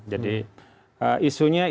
jadi isunya isu menyatakan